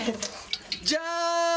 じゃーん！